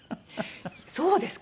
そうですかね？